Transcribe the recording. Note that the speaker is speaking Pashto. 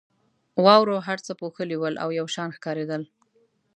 واورو هر څه پوښلي ول او یو شان ښکارېدل.